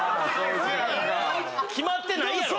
決まってないやろ！